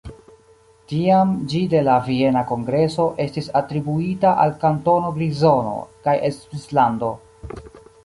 Tiam ĝi de la Viena Kongreso estis atribuita al Kantono Grizono kaj Svislando.